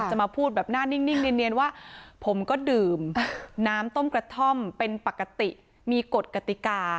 มาพูดแบบหน้านิ่งเนียนว่าผมก็ดื่มน้ำต้มกระท่อมเป็นปกติมีกฎกติกา